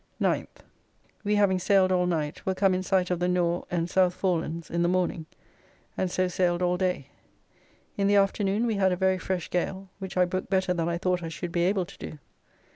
9th. We having sailed all night, were come in sight of the Nore and South Forelands in the morning, and so sailed all day. In the afternoon we had a very fresh gale, which I brooked better than I thought I should be able to do.